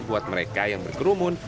buat mereka yang berkerumun